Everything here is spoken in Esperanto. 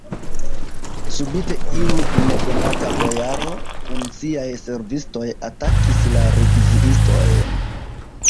Subite iu nekonata bojaro kun siaj servistoj atakis la reviziistojn.